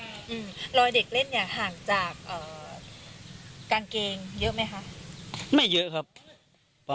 รอยเด็กเล่นห่างจากกางเกงเยอะไหมคะ